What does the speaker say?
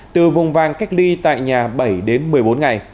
từ vùng vàng cách ly tại nhà bảy đến một mươi bốn ngày